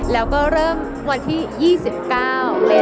แล้วก็เริ่มวันที่๒๙เดี๋ยวสายวันที่๕